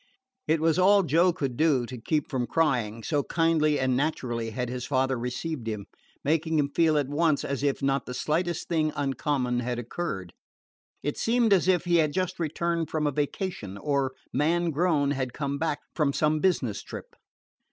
It was all Joe could do to keep from crying, so kindly and naturally had his father received him, making him feel at once as if not the slightest thing uncommon had occurred. It seemed as if he had just returned from a vacation, or, man grown, had come back from some business trip.